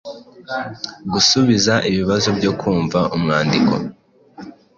gusubiza ibibazo byo kumva umwandiko,